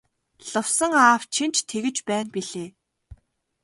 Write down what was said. Лувсан аав чинь ч тэгж байна билээ.